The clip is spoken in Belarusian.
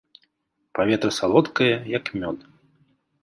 Паветра салодкае, як мёд.